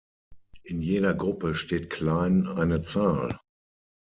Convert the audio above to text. In jeder Gruppe steht klein eine Zahl.